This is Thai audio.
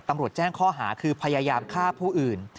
ตำรวจแจ้งข้อหาคือพยายามฆ่าผู้อื่น